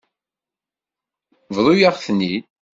Bḍu-yaɣ-ten-id.